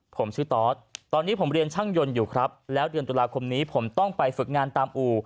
ผมชื่อตอสตอนนี้ผมเรียนช่างยนต์อยู่ครับแล้วเดือนตุลาคมนี้ผมต้องไปฝึกงานตามอู่